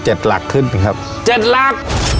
๗หลักขึ้นนะครับ๗หลัก